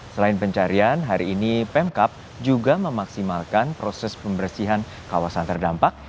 selain pencarian hari ini pemkap juga memaksimalkan proses pembersihan kawasan terdampak